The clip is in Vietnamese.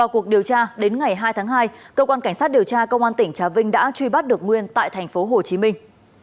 cuộc điều tra đến ngày hai tháng hai cơ quan cảnh sát điều tra công an tỉnh trà vinh đã truy bắt được nguyên tại thành phố hồ chí minh